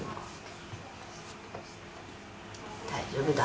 大丈夫だ。